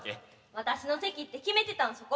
私の席って決めてたんそこ。